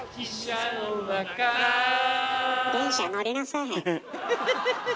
電車乗りなさい早く。